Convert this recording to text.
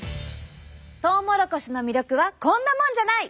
トウモロコシの魅力はこんなもんじゃない！